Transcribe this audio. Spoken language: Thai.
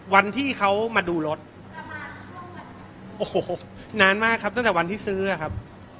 วันที่เขามาดูรถโอ้โหนานมากครับตั้งแต่วันที่ซื้ออะครับ